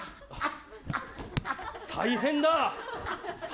大変だ。